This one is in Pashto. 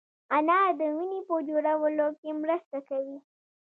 انار د وینې په جوړولو کې مرسته کوي.